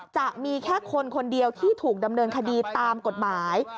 จะมีแค่คนคนเดียวที่ถูกดำเนินคดีตามกฎหมาย